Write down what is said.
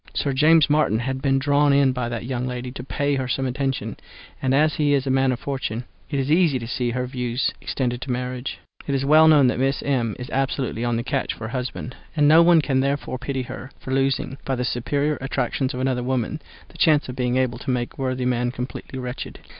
Sir James Martin had been drawn in by that young lady to pay her some attention; and as he is a man of fortune, it was easy to see her views extended to marriage. It is well known that Miss M. is absolutely on the catch for a husband, and no one therefore can pity her for losing, by the superior attractions of another woman, the chance of being able to make a worthy man completely wretched.